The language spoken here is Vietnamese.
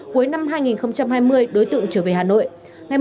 cuối năm hai nghìn hai mươi đối tượng trở về hà nội